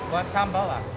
buat sambal lah